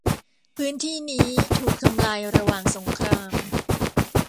พื้นที่นี้ถูกทำลายระหว่างสงคราม